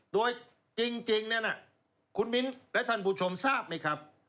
โดยจริงเนี่ยนะคุณมิ้นและท่านผู้ชมทราบไหมครับ